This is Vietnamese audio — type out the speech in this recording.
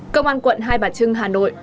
công an quận hai bà trưng hà nội